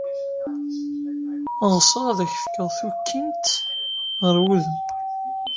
Ɣseɣ ad ak-fkeɣ tukkimt ɣer wudem.